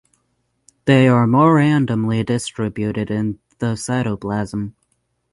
They are more randomly distributed in the cytoplasm.